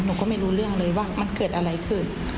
หนูก็ไม่รู้เรื่องเลยว่ามันเกิดอะไรขึ้น